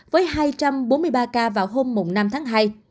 với hai trăm bốn mươi ba ca vào hôm năm tháng hai